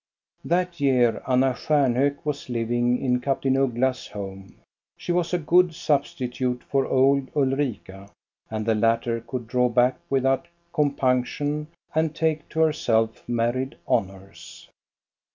That year Anna Stjarnhok was living in Captain Uggla's home. She was a good substitute for old Ulrika, and the latter could draw back without compunction, and take to herself married honors.